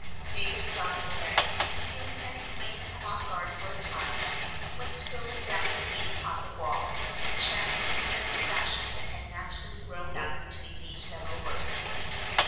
] David saw her there, and, feeling that he might come off guard for a time, went strolling down to lean upon the wall, and chat in the friendly fashion that had naturally grown up between these fellow workers.